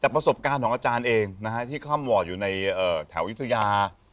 แต่ประสบการณ์ของอาจารย์เองนะฮะที่ค่ำวอร์ดอยู่ในแถววิทยา